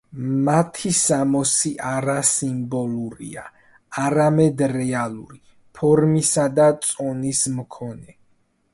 მათი სამოსი არა სიმბოლურია, არამედ რეალური, ფორმისა და წონის მქონე.